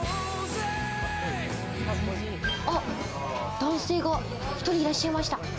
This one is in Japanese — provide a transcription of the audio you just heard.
男性が１人いらっしゃいました。